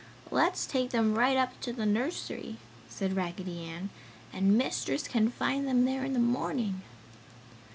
"Let's take them right up to the nursery!" said Raggedy Ann, "And Mistress can find them there in the morning!"